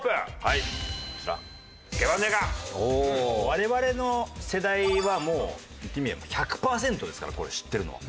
我々の世代はもう言ってみれば１００パーセントですからこれ知ってるのは。